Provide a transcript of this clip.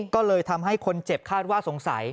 ก็เลยทำให้คนเจ็บคาดว่าสงสัย